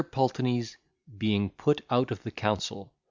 PULTENEY'S BEING PUT OUT OF THE COUNCIL.